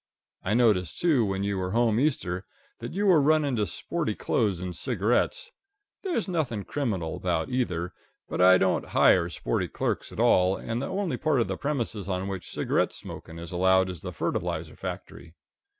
I noticed, too, when you were home Easter, that you were running to sporty clothes and cigarettes. There's nothing criminal about either, but I don't hire sporty clerks at all, and the only part of the premises on which cigarette smoking is allowed is the fertilizer factory.